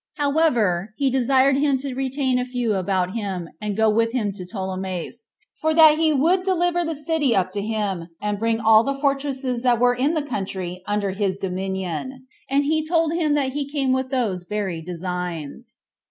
However, he desired him to retain a few about him, and go with him to Ptolemais, for that he would deliver the city up to him, and would bring all the fortresses that were in the country under his dominion; and he told him that he came with those very designs.